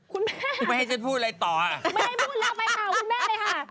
คุณแม่คุณแม่คุณแม่คุณแม่